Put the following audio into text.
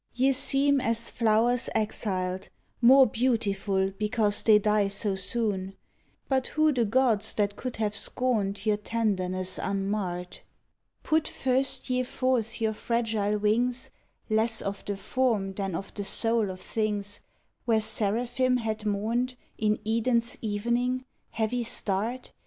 Ye seem as flowers exiled. 32 THE HOUSE OF ORCHIDS More beautiful because they die so soon; But who the gods that could have scorned Your tenderness unmarred^ Put first ye forth your fragile wings, Less of the form than of the soul of things, Where seraphim had mourned In Eden's evening, heavy starred.